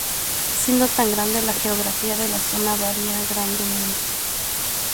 Siendo tan grande, la geografía de la zona varía grandemente.